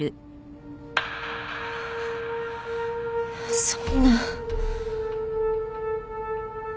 そんな。